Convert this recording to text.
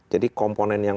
jadi komponen yang